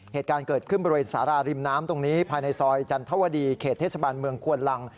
เหตุการณ์เกิดขึ้นบริเวณสาราริมน้ำตรงนี้ภายในซอยจันทวดีเขตเทศบาลเมืองควนลัง